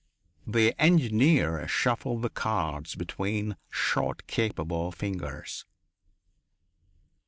The engineer shuffled the cards between short, capable fingers.